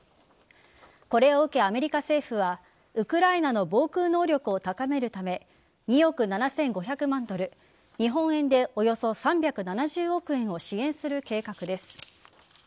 これを受け、アメリカ政府はウクライナの防空能力を高めるため２億７５００万ドル日本円でおよそ３７０億円を支援する計画です。